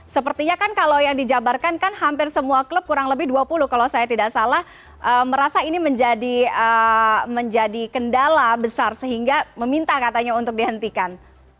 sepertinya kan kalau yang dijabarkan kan hampir semua klub kurang lebih dua puluh kalau saya tidak salah merasa ini menjadi kendala besar sehingga meminta katanya untuk dihentikan